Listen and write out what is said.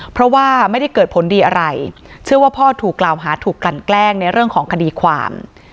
เพราะว่าไม่ได้เกิดผลดีอะไรเชื่อว่าพ่อถูกกล่าวหาถูกกลั่นแกล้งในเรื่องของคดีความ